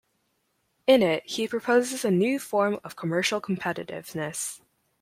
In it he proposes a new form of commercial competitiveness.